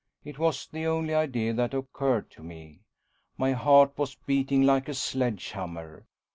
It was the only idea that occurred to me. My heart was beating like a sledge hammer.